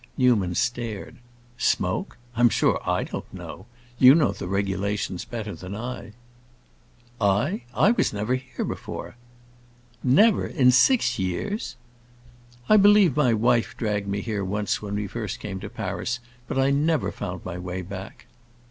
Newman stared. "Smoke? I'm sure I don't know. You know the regulations better than I." "I? I never was here before!" "Never! in six years?" "I believe my wife dragged me here once when we first came to Paris, but I never found my way back."